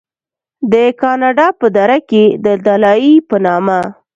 د کاڼا پۀ دره کښې د “دلائي” پۀ نامه